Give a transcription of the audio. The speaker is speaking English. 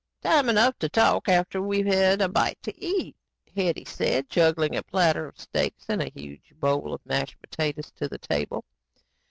"Time enough to talk after we've all had a bite to eat," Hetty said, juggling a platter of steaks and a huge bowl of mashed potatoes to the table.